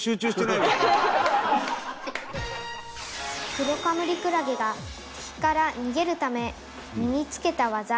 「クロカムリクラゲが敵から逃げるため身につけた技」